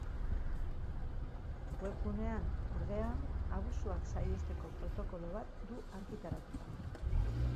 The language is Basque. Webgunean, ordea, abusuak saihesteko protokolo bat du argitaratuta.